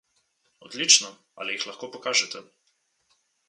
Odlično, ali jih lahko pokažete?